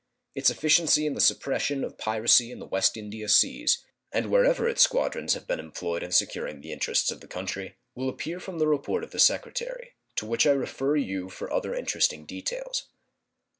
Its efficiency in the suppression of piracy in the West India seas, and wherever its squadrons have been employed in securing the interests of the country, will appear from the report of the Secretary, to which I refer you for other interesting details.